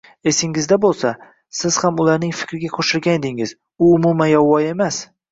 esingizda boʻlsa, siz ham ularning fikriga qoʻshilgan edingiz… U umuman yovvoyi emas.